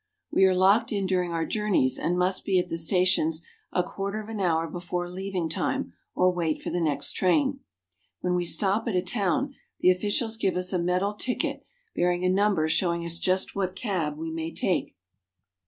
We are locked in during our journeys, and must be at c stations a quarter of an hour before leaving time, or v. ait for the next train. When we stop at a town, the officials give us a metal ticket bearing a number showing us just what cab we may take.